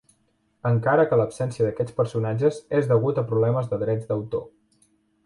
Encara que l'absència d'aquests personatges és degut a problemes de drets d'autor.